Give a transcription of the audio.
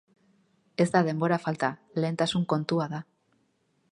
Ez da denbora falta, lehentasun kontua da.